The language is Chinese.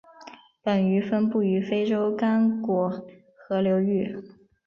本鱼分布于非洲刚果河流域。